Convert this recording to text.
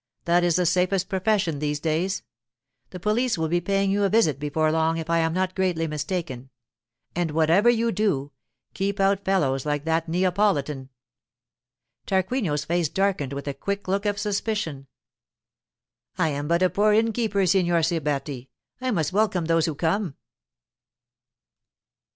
That is the safest profession these days. The police will be paying you a visit before long if I am not greatly mistaken—and whatever you do, keep out fellows like that Neapolitan.' Tarquinio's face darkened with a quick look of suspicion. 'I am but a poor innkeeper, Signor Siberti. I must welcome those who come.